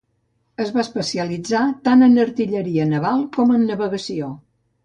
Es va especialitzar tant en artilleria naval com en navegació.